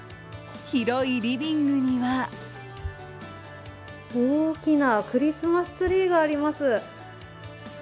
広いリビングには大きなクリスマスツリーがあります。